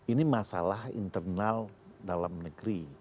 ini masalah internal dalam negeri